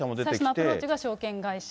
最初のアプローチが証券会社。